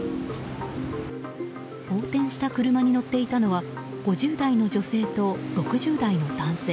横転した車に乗っていたのは５０代の女性と６０代の男性。